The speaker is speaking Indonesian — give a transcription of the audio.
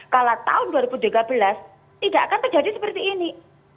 kalau tahun dua ribu tiga belas tidak akan terjadi seperti ini